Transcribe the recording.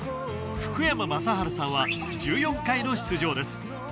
福山雅治さんは１４回の出場です